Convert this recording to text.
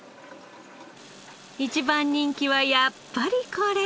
一番人気はやっぱりこれ。